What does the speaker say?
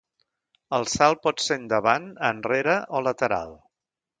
El salt pot ser endavant, enrere o lateral.